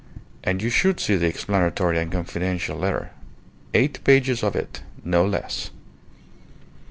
"And you should see the explanatory and confidential letter! Eight pages of it no less!"